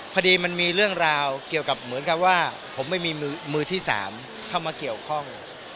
พอดีมันมีเรื่องราวเกี่ยวกับเหมือนกับว่าผมไม่มีมือที่๓เข้ามาเกี่ยวข้อง